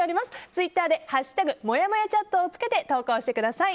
ツイッターで「＃もやもやチャット」をつけて投稿してください。